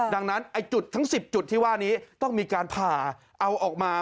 ดังนั้นไอ้จุดทั้ง๑๐จุดที่ว่านี้ต้องมีการผ่าเอาออกมา